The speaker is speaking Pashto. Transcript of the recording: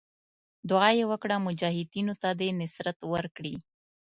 دعا یې وکړه مجاهدینو ته دې نصرت ورکړي.